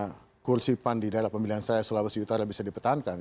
untuk bisa bagaimana kursi pan di daerah pemilihan saya sulawesi utara bisa dipertahankan